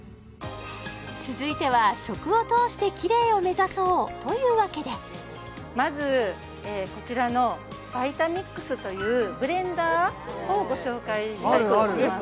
続いては食を通してキレイを目指そうというわけでまずこちらのＶｉｔａｍｉｘというブレンダーをご紹介したいと思います